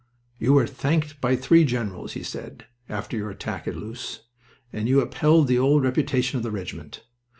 "You were thanked by three generals," he said, "after your attack at Loos, and you upheld the old reputation of the regiment.